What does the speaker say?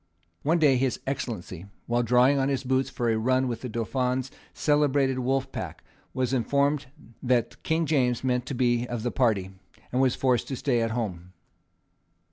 One day his Excellency, while drawing on his boots for a run with the Dauphin's celebrated wolf pack, was informed that King James meant to be of the party, and was forced to stay at home.